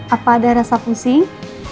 apa ada rasa pusing